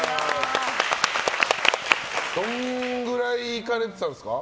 どのくらい行かれてたんですか。